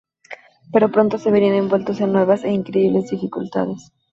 Pero pronto se verían envueltos en nuevas e increíbles dificultades.